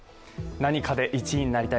何かで１位になりたい。